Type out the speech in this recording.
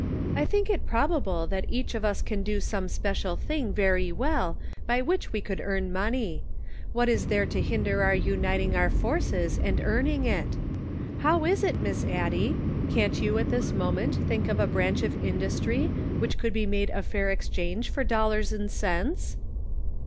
I think it probable that each of us can do some special thing very well by which we could earn money. What is there to hinder our uniting our forces and 2$2 Measuring Character. 253 earning it? How is it, Miss Addie? Can't you at this moment think of a branch of in dustry which could be made a fair exchange for dollars and cents